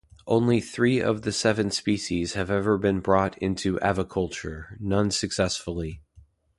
Only three of the seven species have ever been brought into aviculture, none successfully.